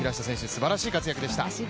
すばらしい活躍でした。